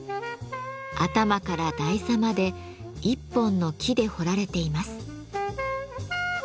頭から台座まで１本の木で彫られています。